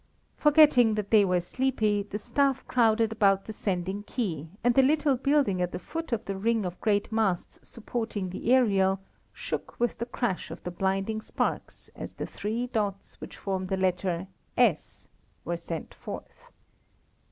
Forgetting that they were sleepy, the staff crowded about the sending key, and the little building at the foot of the ring of great masts supporting the aerial shook with the crash of the blinding sparks as the three, dots which form the letter "s" were sent forth.